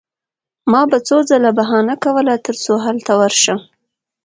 ما به څو ځله بهانه کوله ترڅو هلته ورشم